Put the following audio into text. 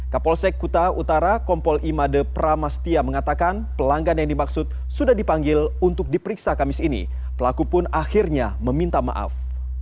kapolsek kuta utara kompol imade pramastia mengatakan pelanggan yang dimaksud sudah dipanggil untuk diperiksa kamis ini pelaku pun akhirnya meminta maaf